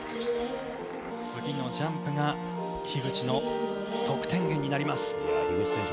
次のジャンプが樋口の得点源になります。